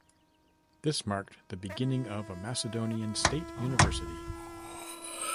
This marked the beginning of a Macedonian state university.